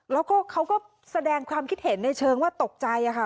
แล้วก็เขาก็แสดงความคิดเห็นในเชิงว่าตกใจค่ะ